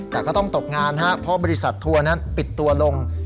แต่ก็ต้องตกงานเพราะบริษัททัวร์นั้นปิดตัวลง